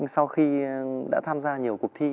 sau khi đã tham gia nhiều cuộc thi